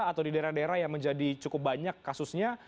atau di daerah daerah yang menjadi cukup banyak kasusnya